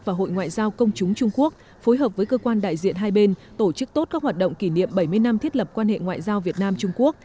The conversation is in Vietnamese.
và hội ngoại giao công chúng trung quốc phối hợp với cơ quan đại diện hai bên tổ chức tốt các hoạt động kỷ niệm bảy mươi năm thiết lập quan hệ ngoại giao việt nam trung quốc